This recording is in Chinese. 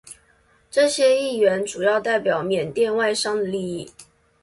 这些议员主要代表缅甸外商的利益。